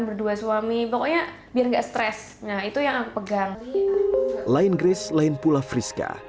berdua suami pokoknya biar enggak stres nah itu yang aku pegang lain grace lain pula friska